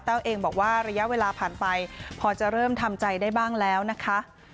เองบอกว่าระยะเวลาผ่านไปพอจะเริ่มทำใจได้บ้างแล้วนะคะ